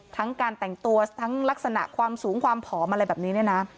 ทั้งการแต่งตัวทั้งลักษณะความสูงความผอมอะไรแบบนี้เนี่ยนะ